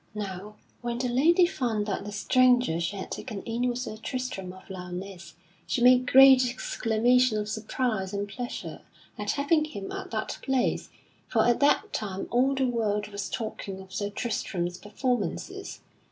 Now when the lady found that the stranger she had taken in was Sir Tristram of Lyonesse, she made great exclamation of surprise and pleasure at having him at that place, for at that time all the world was talking of Sir Tristram's performances.